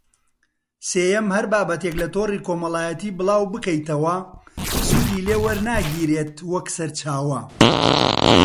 سێیەم: هەر بابەتێک لە تۆڕی کۆمەڵایەتی بڵاوبکەیتەوە، سوودی لێ وەرناگیرێت وەکو سەرچاوە